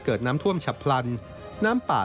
เกิดน้ำท่วมฉับพลันน้ำป่า